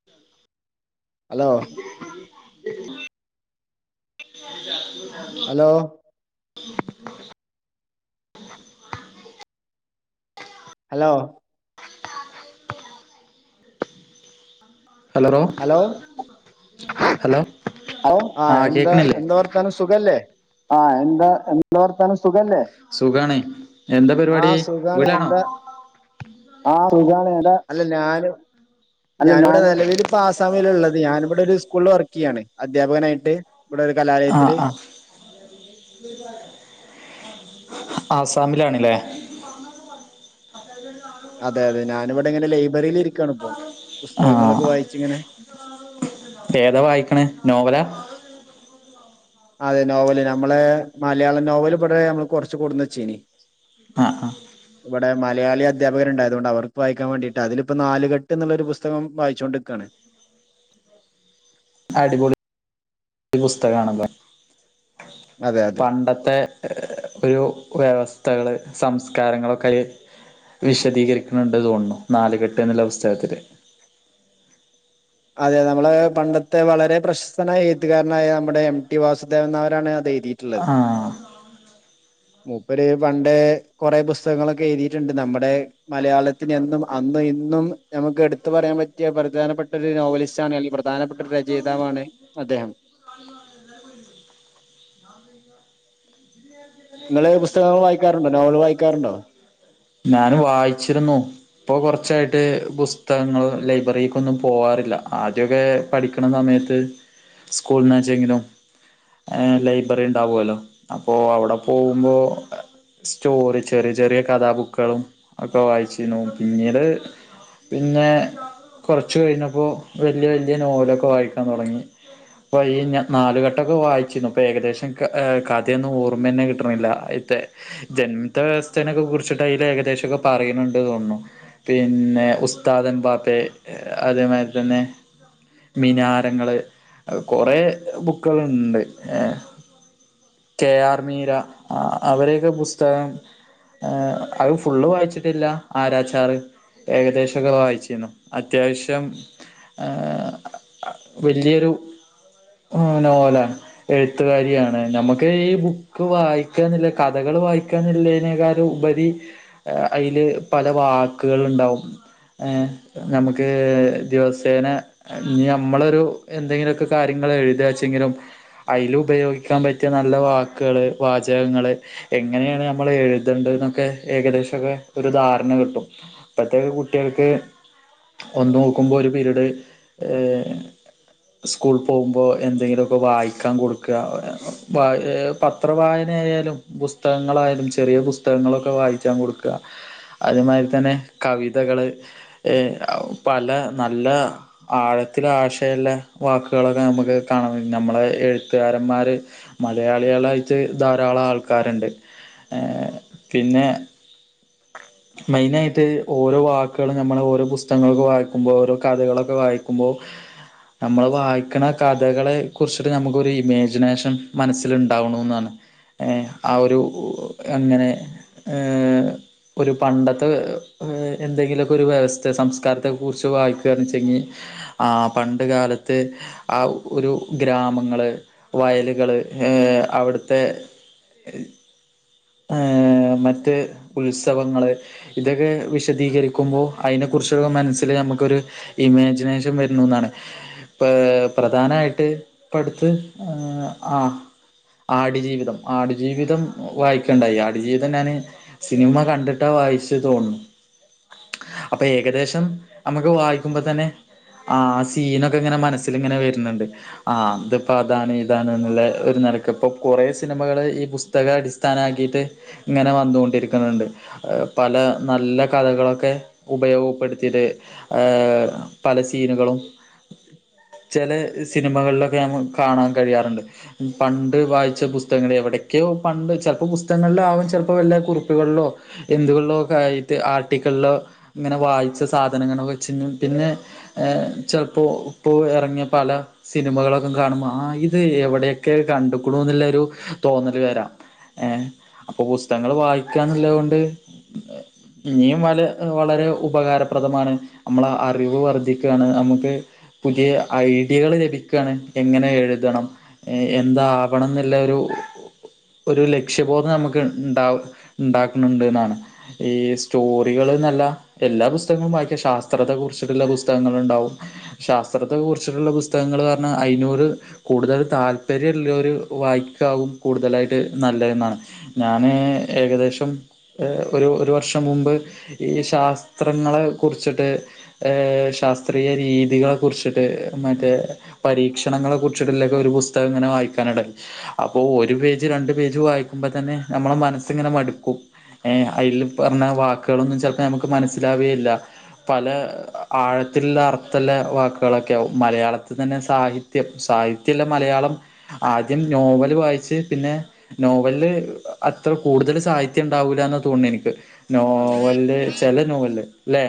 [unintelligible] Hello [unintelligible] [unintelligible] [unintelligible] hello hello hello hello ആഹ് കേക്കണില്ലേ ന്താണ് സുഖല്ലേ ആഹ് എന്താ വർത്താനം സുഖല്ലേ സുഖാണ് എന്താ ആ പരിപാടി സുഖാണ് വീടാണോ എന്താ ആ ഹ് സുഖാണിവിടെ അല്ല ഞാന് ഞാനിവിടെ നെലവിൽ ഇപ്പൊ ആസാമില ഉള്ളത് ഞാനിവിടെ ഒരു സ്കൂള വർക്ക് ചെയ്യാണ് അധ്യാപകനായിട്ട് ഇവിടെ ഒരു ആഹ് കലാലയത്തില് ആഹ് ആസാമിലാണ്ല്ലേ അതെ അതെ ഞാനിവിടെ ഇങ്ങനെ ലൈബ്രറിൽ ഇരിക്കാണ് ഇപ്പോ ആഹ് പുസ്തകങ്ങളൊക്കെ വായിച്ച് ഇങ്ങനെ ഏതാ വായിക്കണെ നോവല അതെ നോവല് നമ്മളെ മലയാളം നോവല് പടെ നമ്മള് കൊറച്ച് കൊടന്നെച്ചീനി ആ ആ ഇവിടെ മലയാളി അധ്യാപകരുണ്ട് അതുകൊണ്ട് അവർക്ക് വായിക്കാൻ വേണ്ടിട്ട് അതിലിപ്പോ നാലുകെട്ടെന്നുള്ളൊരു പുസ് സ്തകം വായിച്ചുകൊണ്ടിക്കയാണ് അടിപൊളി ഒരു പുസ്തകാണത് അതെ അതെ പണ്ടത്തെ ഒരു വ്യവസ്ഥകള് സംസ്കാരങ്ങളൊക്കെയതില് വിശദീകരിക്കുന്നുണ്ടെന്നു തോന്നുന്നു നാലുകെട്ടെന്നുള്ള പുസ്തകത്തില് അതെ നമ്മളെ പണ്ടത്തെ വളരെ പ്രശസ്തനായ എഴുത്തുകാരനായ നമ്മുടെ എം ടി വാസുദേവൻ നായരാണ് അത് എഴുതിത് ആഹ് മൂപ്പര് പണ്ട് കൊറെ പുസ്തകങ്ങളൊക്കെ എഴുതിയിട്ടുണ്ട് നമ്മടെ മലയാളത്തിന് എന്നും അന്നും ഇന്നും ഞമുക്ക് എടുത്തു പറയാൻ പറ്റിയ പ്രധാനപ്പെട്ട ഒരു നോവലിസ്റ്റ് ആണ് അയ്ലി പ്രധാനപ്പെട്ട ഒരു രചയിതാവാണ് അദ്ദേഹം [inaudible] നിങ്ങള് പുസ്തകം വായിക്കാറുണ്ടോ നോവല് വായിക്കാറുണ്ടോ ഞാന് വായിച്ചിരുന്നു. ഇപ്പോ കൊറച്ചായിട്ട് പുസ്തകങ്ങള് ലൈബ്രറിക്കൊന്നും പോകാറില്ല ആദ്യൊക്കെ പഠിക്കണസമയത്ത് സ്കൂളെന്നുവെച്ചെങ്കിലും ആ ലൈബ്രറി ഇണ്ടാവുല്ലോ അപ്പോ അവിടെ പോവുമ്പോ സ്റ്റോറി ചെറിയ ചെറിയ കഥാബുക്കുകളും ഒക്കെ വായിച്ചീന്നു പിന്നീട് പിന്നെ കൊറച്ചു കഴിഞ്ഞപ്പോ വല്ല്യ വല്ല്യ നോവലൊക്കെ വായിക്കാൻ തൊടങ്ങി അപ്പൊ ഈ ഞ നാലുകെട്ടൊക്കെ വായിച്ചിരിന്നു ഇപ്പൊ ഏകദേശം ഏ കഥയൊന്നും ഓർമ്മന്നെ കിട്ടണില്ല. അയിത്തെ ജന്മിത്ത വ്യവസ്ഥേനൊക്കെ കുറിച്ചിട്ട് അയില് ഏകദേശൊക്കെ പറയണൊണ്ട് തോന്നണു. പിന്നെ ഉസ്താദ് എംബാപ്പെ അതേമാതിരിതന്നെ മിനാരങ്ങള് കൊറേ ബുക്കുകളൊണ്ട് ഏ കെ ആർ മീര അവരെയൊക്കെ പുസ്തകം ആ അത് ഫുള്ളുവായിച്ചിട്ടില്ല ആരാച്ചാറ് ഏകദേശൊക്കെ വായിച്ചീന്നു അത്യാവശ്യം ആഹ് ആ ആ വല്ല്യൊരു ഓ നോവലാ എഴുത്തുകാരിയാണ് ഞമ്മക്ക് ഈ ബുക്കു വായിക്കാനൊള്ള കഥകള് വായിക്കാനൊള്ളനേക്കാ ല് ഉപരി അയില് പല വാക്കുകളുണ്ടാവും എ ഞമുക്ക് ദിവസേന ആ ഞമ്മളൊരു എന്തെങ്കിലൊക്കെ കാര്യങ്ങള് എഴുതാച്ചെങ്കിലും അയിലുപയോഗിക്കാൻ പറ്റിയ നല്ല വാക്കുകള്, വാചകങ്ങള് എങ്ങനെയാണ് നമ്മള് എഴുതണ്ടതെന്നൊക്കെ ഏകദേശൊക്കെ ഒരു ധാരണ കിട്ടും ഇപ്പഴത്തെക്കെ കുട്ടികൾക്ക് ഒന്നു നോക്കുമ്പോൾ ഒരു പീരീഡ് ഏഹ് സ്കൂൾ പോവുമ്പോ എന്തെങ്കിലൊക്കെ വായിക്കാൻ കൊടുക്കുക വാ ഏഹ് പത്രവായന ആയാലും പുസ്തകങ്ങളായാലും ചെറിയ പുസ്തകങ്ങളൊക്കെ വായിച്ചാൻ കൊടുക്കുക അതുമാതിരിത്തന്നെ കവിതകള് എ ഔ പല നല്ല ആഴത്തിലാശയൊള്ള വാക്കുകളൊക്കെ നമുക്ക് കാണാം നമ്മളെ എഴുത്തുകാരന്മാര് മലയാളികളായിറ്റ് ധാരാളം ആൾക്കാരൊണ്ട് ഏ പിന്നെ മെയിനായിട്ട് ഓരോ വാക്കുകള് നമ്മള് ഓരോ പുസ്തകങ്ങളൊക്കെ വായിക്കുമ്പോ ഓരോ കഥകളൊ ക്കെ വായിക്കുമ്പോ നമ്മള് വായിക്കണ കഥകളെ കുറിച്ചിട്ട് നമുക്കൊരു ഇമേജിനേഷൻ മനസ്സിലിണ്ടാവണോന്നാണ് ഏ ആ ഒരു അങ്ങനെ ഏ ഒരു പണ്ടത്തെ വെ എന്തെങ്കിലൊക്കെ ഒരു വ്യവസ്ഥ സംസ്കാരത്തെക്കുറിച്ച് വായിക്കുവാന്നെച്ചെങ്കി ആഹ് പണ്ട് കാലത്ത് ആ ഒരു ഗ്രാമങ്ങള് വയലുകള് ഏഹ് അവിടുത്തെ ഏഹ് ആഹ് മറ്റ് ഉത്സവങ്ങള് ഇതൊക്കെ വിശദീകരിക്കുമ്പോ, ഐനെ കുറിച്ചുള്ള മനസ്സില് നമുക്കൊരു ഇമാജിനേഷൻ വരണൂന്നാണ് പ് പ്രധാനായിട്ട് ഇപ്പടുത്ത് ആഹ് ആടുജീവിതം ആടുജീവിതം വായി ക്കണ്ടായി ആടുജീവിതം നാന് സിനിമ കണ്ടിട്ടാ വായിച്ചതോൺണു അപ്പൊ ഏകദേശം അമുക്ക് വായിക്കുമ്പോത്തന്നെ ആഹ് സീനൊക്കെ ഇങ്ങനെ മനസ്സില് ഇങ്ങനെ വരുന്നുണ്ട് ആഹ് അതിപ്പോ അതാണ് ഇതാണ് എന്നുള്ള ഒരു നടക്ക് ഇപ്പൊ കൊറേ സിനിമകള് ഈ പുസ്തക അടിസ് ഥാനാക്കീട്ട് ഇങ്ങനെ വന്നുകൊണ്ടിരിക്കണുണ്ട് പല നല്ല കഥകളൊക്കെ ഉപയോഗപ്പെടുത്തിയിട്ട് ആഹ് പല സീനുകളും ചെല സിനിമകളിലൊക്കെ ഞമുക് കാണാൻ കഴിയാറുണ്ട് പണ്ട് വായിച്ച പുസ്തകങ്ങളെവിടക്കെയോ പണ്ട് ചെ ഇപ്പോ പുസ്തകങ്ങള്ൽ ആകും ചെലപ്പോ വല്ല കുറിപ്പുകൾലോ എന്തുകൾലോക്കായിട്ട് ആർട്ടിക്കൾലോ ഇങ്ങന വായിച്ച സാധനങ്ങെളോ വെച്ച് പിന്നെ ഏഹ് ചെൽപ്പോ പ്പോ എറങ്ങിയ പല സിനിമകളൊക്ക കാണുമ്പോ ആഹ് ഇത് എവ്ടെയൊക്കെ കണ്ട്ക്കുണുന്നുള്ളെരു തോന്നൽ വരാ ഏഹ് അപ്പോ പുസ്തകങ്ങൾ വായിക്കാന്നുള്ളത് കോണ്ട് ഇനിയും പല വളരെ ഉപകാരപ്രദമാണ് നമ്മള അറിവ് വർദ്ധിക്കാണ് നമുക്ക് പുതിയ ഐഡിയകൾ ലഭിക്കാണ് എങ്ങനെ എഴുതണം ഏഹ് എന്താ ആവണന്നുള്ള ഒരു ഒരു ല ക്ഷ്യബോധം നമുക്ക് ഉണ്ടാകും ഉണ്ടാക്കുന്നുണ്ട്ന്നാണ് ഈ സ്റ്റോറികൾ നല്ല എല്ലാ പുസ്തകങ്ങളും വായിക്കും ശാസ്ത്രത്തെ കുറിച്ചിട്ടുള്ള പുസ്തകങ്ങൾ ഉണ്ടാവും ശാസ്ത്രത്തെ കുറിച്ചിട്ടുള്ള പുസ്തകങ്ങള് പറഞ്ഞ അയിനൂറ് കൂടുതൽ താല്പര്യള്ളിയോര് വായിക്കാവും കൂടുതലായിട്ട് നല്ലെ ന്നാണ് ഞാന് ഏകദേശം ഒരു ഒരു വർഷം മുമ്പ് ഈ ശാസ്ത്രങ്ങളെ കുർച്ചിട്ട് ഏഹ് ശാസ്ത്രീയ രീതികളെ കുർച്ചിട്ട് മറ്റേ പരീക്ഷണങ്ങളെ കുറിച്ചിട്ടുള്ളൊക്കെ ഒരു പുസ്തകം ഇങ്ങനെ വായിക്കാനെടേക്ക്‌ ഇഷ് അപ്പോ ഒരു പേജ് രണ്ട് പേജ് വായിക്കുമ്പോ തന്നെ നമ്മളെ മനസ്സിങ്ങനെ മടുക്കും ഏഹ് അയിൽ പറഞ്ഞ വാക്കുകളൊന്നും ചെൽപ്പോ നമുക്ക് മനസ്സിലാവെ ഇല്ല പല ആഴത്തില്ള്ള അർത്ഥലള്ളെ വാക്കുകളൊക്കെ ആകും മലയാളത്തിൽ തന്നെ സാഹി ത്യം സാഹിത്യള്ള മലയാളം ആദ്യം നോവല് വായിച്ച് പിന്നെ നോ വല് അത്ര കൂടുതൽ സാഹിത്യം ഉണ്ടാവൂലന്ന തോന്നുന്നേ എനിക്ക് അതെ നോവൽല്ല് ചെില നോവല്ല് അല്ലേ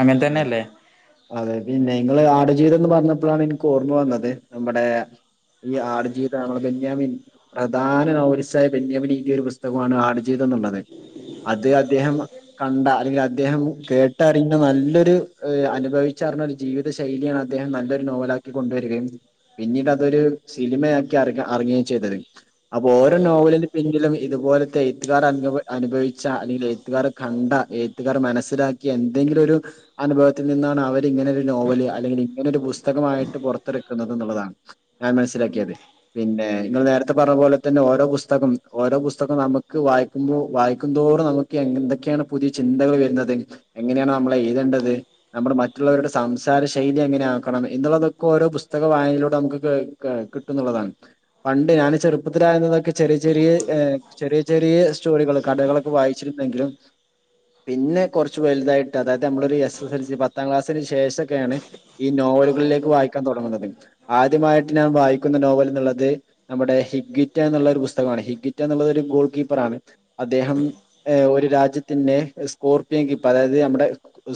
അങ്ങൻ അതെ തന്നെല്ലേ അതെ പിന്നെ ഇങ്ങള് ആടുജീവിതംന്ന് പറഞ്ഞപ്പ്ളാണ് ഇൻക്ക് ഓർമ്മ വന്നത് നമ്മടെ ഈ ആട്ജീവിതാണോ ബന്യാമീൻ പ്രധാന നൗലിസായ വെന്യമിനീക്കിയ ഒരു പുസ്തകമാണ് ആട്ജീതന്നുള്ളത് അത് അദ്ദേഹം കണ്ട അല്ലെങ്കിൽ അദ്ദേഹം കേട്ടറിഞ്ഞ ന നല്ലൊരു അനുഭവിച്ചറിഞ്ഞ ഒരു ജീവിത ശൈലിയാണ് അദ്ദേഹം നല്ലൊരു നോവലാക്കി കൊണ്ടുവരികയും പിന്നീട് അതൊരു സിനിമയാക്കി അരങ്ങ അറങ്ങെ ചെയ്തത് അപ്പോ ഓരോ നോവലിന് പിന്നിലും ഇതുപോലത്തെ എഴുത്തുകാർ അനു അനുഭവിച്ച അല്ലെങ്കില് എ എഴുത്തുകാര കണ്ട എഴുത്തുകാര മനസ്സിലാക്കി എന്തെങ്കിലു ഒരു അനുഭവത്തിൽ നിന്നാണ് അവരിങ്ങനെ ഒരു നോവല് അല്ലെങ്കിൽ ഇങ്ങനെ ഒരു പുസ്തകമായിട്ട് പൊർത്തേർക്കുന്നത് ന്ന്ള്ളതാണ് ഞാൻ മനസ്സിലാക്കിയത് പിന്നെ നിങ്ങൾ നേരത്ത പറഞ്ഞ പോലെ തന്നെ ഓരോ പുസ്തകം ഓരോ പുസ്തകം നമുക്ക് വാ യിക്കുമ്പോ വായിക്കുംതോറും നമുക്ക് എന്തൊക്കെയാണ് പുതിയ ചിന്തകൾ വരുന്നത് എങ്ങനെയാണ് നമ്മൾ എഴ്തേണ്ട ത് നമ്മള് മറ്റുള്ളവര്ടെ സംസാര ശൈലി എങ്ങനെ ആക്കണം എന്നുള്ളതൊക്കെ ഓരോ പുസ്തക വായനെലൂടെ നമുക്ക് കേ ക്ക്ണ്ട് ന്നുള്ളതാണ് പണ്ട് ഞാൻ ചെറുപ്പത്തിലായിരുന്ന അന്നൊക്കെ ചെറിയ ചെറിയ ചെറിയ ചെറിയ സ്റ്റോറികൾ കടകളൊ മുമ്പ് വായിച്ചിരുന്നെങ്കിലും പിന്നെ കൊർച്ച് വലുതായിട്ട് അതായത് നമ്മളൊരു എസ് സ്സ സ്സെൽസി പത്താം ക്ലാസ്സിന് ശേഷോക്കെയാണ് ഈ നോവലുകളിലേക്ക് വായിക്കാൻ തൊടങ്ങുന്നത് ആദ്യമായിട്ട് ഞാൻ വായിക്കുന്ന നോവൽന്ന്ള്ളത് നമ്മുടെ ഹിഗ്ഗിറ്റാന്നുള്ള ഒരു വുസ്തകമാണ് ഹിഗ്ഗിറ്റാന്നുള്ളത് ഒരു ഗോൾ കീപ്പറാണ് അദ്ദേഹം ഒരു രാജ്യത്തിന്റെ സ്കോർപിയെൻ കിപ്പ അതായത് നമ്മുടെ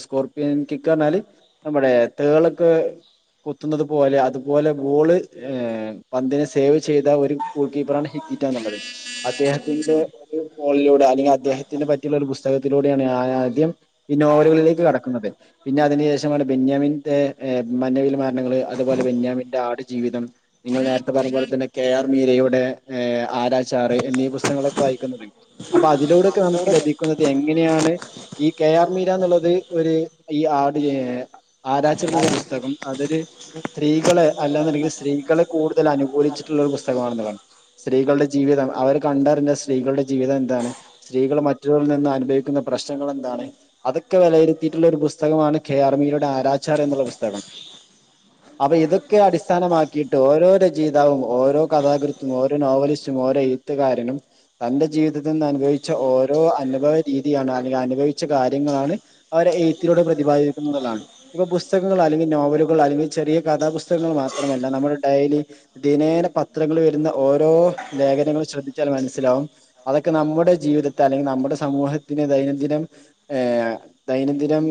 സ്കോർ പിയെൻ കിക്ക് പറഞ്ഞാല് നമ്മളെ തേളൊക്കെ കുത്തുന്നത് പോലെ അതുപോലെ ബോള് പന്തിനെ സേവ് ചെയ്ത ഒരു ഗോൾ കീപ്പറാണ് ഹിക്കിറ്റാന്നുള്ളത് അദ്ദേഹത്തിന്റെ ഒരു പോളിലൂടെ അല്ലെങ്കിൽ അദ്ദേഹത്തിന്റെ പറ്റിയുള്ള ഒരു പുസ്തകത്തിലൂടെയാണ് ഞാനാദ്യം ഈ നോവലുകളിലേക്ക് കടക്കുന്നത് പിന്നെ അതിനു ശേഷമാണ് ബെന്യാമിന്റെ മനവിൽ മരണങ്ങള് അതുപോലെ ബെന്യാമിന്റെ ആടു ജീവിതം നിങ്ങൾ നേരത്തെ പറഞ്ഞ പോലെ തന്നെ കെ ആർ മീരയുടെ ആരാചാറ് എന്നീ പുസ്തകങ്ങളൊക്കെ വായിക്കുന്ന അപ്പൊ അതിലൂടൊക്കെ നമുക്ക് ലഭിക്കുന്നത് എങ്ങനെയാണ് ഈ കെ ആർ മീര എന്നുള്ളത് ഒരു ഈ ആട് ആരാച്ചർ എന്നുള്ള പുസ്തകം അതൊരു സ്ത്രീകളെ അല്ലാന്നുണ്ടെങ്കിൽ സ്ത്രീകളെ കൂടുതൽ അനുകൂലിച്ചിട്ടുള്ള ഒരു പുസ്തകമാണെന്നുള്ളാണ് സ്ത്രീകളുടെ ജീവിതം അവര് കണ്ടറിഞ്ഞ സ്ത്രീകളുടെ ജീവിതം എന്താണ് സ്ത്രീകൾ മറ്റുള്ളവരിൽ നിന്ന് അനുഭവിക്കുന്ന പ്രശ്നങ്ങൾ എന്താണ് അതൊക്കെ വിലയിരു ത്തിയിട്ടുള്ള ഒരു പുസ്തകമാണ് കെ ആർമീരയുടെ ആരാച്ചർ എന്നുള്ള പുസ്തകം അപ്പൊ ഇതൊക്കെ അടിസ്ഥാനമാക്കിയിട്ട് ഓരോ രചയിതാവും ഓരോ കഥാകൃത്തും ഓരോ നോവലിസ്റ്റും ഓരോ ത്തുകാരനും തൻ്റെ ജീവിതത്തിൽ നിന്ന് അനുഭവിച്ച ഓരോ അനുഭവ രീതിയാണ് അല്ലെങ്കിൽ അനുഭവിച്ച കാര്യങ്ങളാണ് അവരെ എഴ്ത്തിലൂടെ പ്രതിപാദിപ്പിക്കുന്നതാണ് ഇപ്പൊ പുസ്തകങ്ങൾ അല്ലെങ്കിൽ നോവലുകൾ അല്ലെങ്കിൽ ചെറിയ കഥാപുസ്കങ്ങൾ മാത്രമല്ല നമ്മുടെ ഡയലി ദിനേന പത്രങ്ങൾ വരുന്ന ഓരോ ലേഖനങ്ങൾ ശ്രദ്ധിച്ചാൽ മനസ്സിലാവും അതൊക്കെ നമ്മുടെ ജീവിതത്തെ അല്ലെങ്കിൽ നമ്മുടെ സമൂഹത്തിന് ദൈനംദിനം ഏഹ് ദൈനംദിനം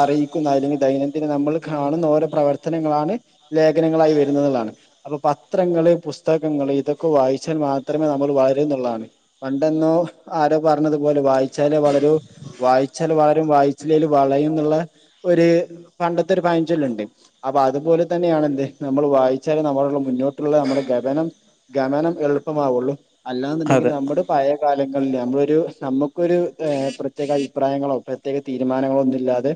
അറിയിക്കുന്ന അല്ലെങ്കിൽ ദൈനംദിനം നമ്മൾ കാണുന്ന ഓരോ പ്രവർത്തനങ്ങളാണ് ലേഖനങ്ങളായി വരുന്നത് ന്ന്ള്ള താണ് അപ്പൊ പ ത്രങ്ങള് പുസ്തകങ്ങള് ഇതൊക്കെ വായിച്ചാൽ മാത്രമേ നമ്മൾ [unintelligible] എന്നുള്ളതാണ് പണ്ടെന്നോ ആരോ പറഞ്ഞത്പോലെ വായിച്ചാലേ വളരു വായിച്ചി ചാൽ വാരും വായിച്ചിലൽ വളയും എന്നുള്ള ഒരു പണ്ടത്തെ ഒരു പഴഞ്ചൊല്ലുണ്ട് അപ്പൊ അതുപോലെ തന്നെയാണ എന്ത് നമ്മൾ വായിച്ചാല നമ്മള [unintelligible] മുന്നോട്ട് ട്ടുള്ള നമ്മുടെ ഗമനം ഗമനം എളുപ്പമാവുള്ളൂ അല്ലാന്നുണ്ടെങ്കിൽ അതെ നമ്മുടെ പഴയ കാലങ്ങളിൽ നമ്മളൊരു നമുക്കൊരു ഏ പ്രത്യേക അഭിപ്രായങ്ങളോ പ്രത്യേക തീരുമാനങ്ങളോ ഒന്നുല്ലാതെ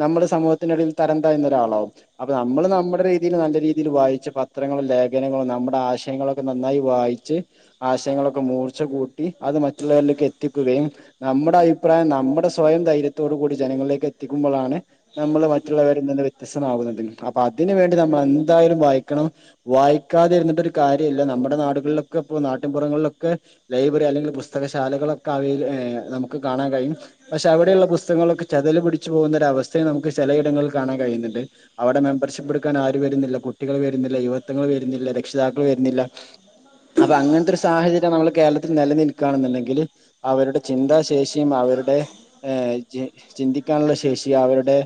നമ്മുടെ സൂഹത്തിന്റെ ഇടയിൽ തരം താഴ്ന്ന ഒരാളാവും അപ്പ നമ്മള് നമ്മടെ രീതീല് നല്ല രീതീല് വായിച്ച പത്രങ്ങളും ലേഖനങ്ങളും നമ്മുടെ ആശയങ്ങളൊ ക്കെ നന്നായി വായിച്ച് ആശയങ്ങളൊക്ക മൂർച്ച കൂട്ടി അത് മറ്റുള്ളവര്ലേക്ക് എത്തിക്കുകയും നമ്മുടെ അഭിപ്രായം നമ്മു സ്വയം ധൈര്യത്തോടു കൂടി ജനങ്ങൾലേക്ക് എത്തിക്കുമ്പളാണ് നമ്മള് മറ്റുള്ളവരിൽ നിന്ന് വ്യത്യസ്തമാകുന്നുണ്ടെങ്കി അപ്പൊ അതിന് വേണ്ടി നമ്മളെന്തായാലും വായിക്കണം വായിക്കാതെ ഇര്ന്നിട്ടൊരു കാര്യ ഇല്ല നമ്മുടെ നാട്കൾലൊക്കെ ഇപ്പൊ നാട്ടിൻ പുറങ്ങൾലൊക്കെ ലൈബ്രറി അല്ലെങ്കില് പുസ്തക ശാലകളൊക്ക അവയില് ഏ നമുക്ക് കാണാൻ കഴിയും പക്ഷെ അവടെയുള്ള പുസ്തകങ്ങളൊക്കെ ചതല് പിടിച്ചു പോവുന്ന ഒര അവസ്ഥയും നമുക്ക് ചെലയിടങ്ങളിൽ കാണാൻ കഴിയുന്നുണ്ട് അവടെ മെമ്പർഷിപ്പ് എടുക്കാൻ ആരും വരുന്നില്ല കുട്ടികള് വരുന്നില്ല യുവത്വങ്ങൾ വരുന്നില്ല രക്ഷിതാക്കൾ വര്ണില്ല അപ്പ അങ്ങൻത്തെരു സാഹചര്യം നമ്മള് കേരളത്തിൽ നിലനിൽക്കാണ്ന്നുണ്ടെങ്കില് അവരുടെ ചിന്താ ശേഷി അവരുടെ ഏ ചി ചിന്തിക്കാൻള്ള ശേഷി അവരുടെ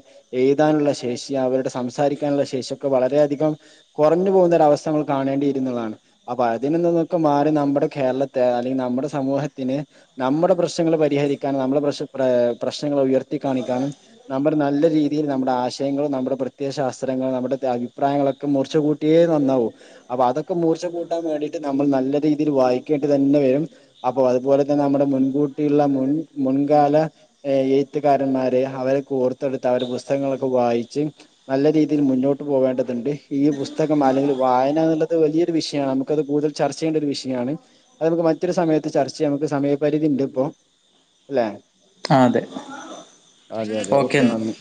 എയ്താൻള്ള ശേഷി അവരുടെ സംസാരിക്കാൻള്ള ശേഷി ഒക്ക വളരെ അധികം കൊർഞ് പോവുന്ന ഒരവസ്ഥ നമ്മള് കാണേണ്ടിയിരുന്നതാണ് അപ്പ അതിന് നിന്നൊക്ക. മാറി നമ്മുടെ കേരളത്തെ അല്ലെങ്കി നമ്മുടെ സമൂഹത്തിന് നമ്മുടെ പ്രശ്നങ്ങള് പരിഹരിക്കാന് നമ്മളെ പ്രശ്ന ഏ പ്രശ്നങ്ങള് ഉയർത്തി കാണിക്കാനും നമ്മള് നല്ല രീതിയിൽ നമ്മുടെ ആശയങ്ങളും നമ്മുടെ പ്രത്യേക ശാസ്ത്രങ്ങളും നമ്മുടെ അഭിപ്രായങ്ങളൊക്ക മൂർച്ച കൂട്ടിയേ നന്നാവു അപ്പ അതൊക്ക. മൂർച്ച കൂട്ടാൻ വേണ്ടിട്ട് നമ്മള് നല്ല രീതിയില് വായിക്കേണ്ടി തന്നെ വരും അപ്പൊ അതുപോലെ തന്നെ നമ്മുടെ മുൻകൂട്ടിയുള്ള മുൻ മുൻകാല എയ്ത്ത്കാരന്മാര് അവരക്ക ഓർത്തെടുത്ത അവരെ പുസ്തകങ്ങളൊക്കെ വായിച്ച് നല്ല രീതിയില് മുന്നോട്ട് പോകേണ്ടത്ണ്ട് ഈ പുസ്തകം അല്ലെങ്കില് വായനാന്ന്ള്ള അത് വലിയൊരു വിഷയാ നമുക്കത് കൂടുതൽ ചർച്ച ചെയ്യേണ്ട ഒരു വിഷയാണ് അത് നമുക്ക് മറ്റൊരു സമയത്ത് ചർച്ച ചെയ്യാം നമുക്ക് സമയപരിധി ഇണ്ട് ഇപ്പോ ല്ലെ അതെ അതെ അതെ ഓക്കെ നന്ദി